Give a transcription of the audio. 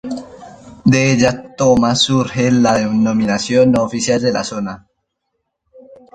De ella toma surge la denominación no oficial de la zona.